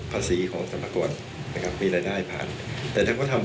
ตั้ง๑๗คนคือเป็นพนักงานหรือเปล่า